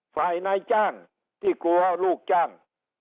ฝ่ายนายจ้างที่กลัวลูกจ้าง